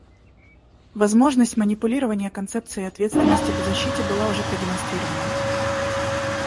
Возможность манипулирования концепцией ответственности по защите была уже продемонстрирована.